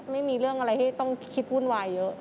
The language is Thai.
ไม่มีเรื่องอะไรให้ต้องคิดวุ่นวายเยอะ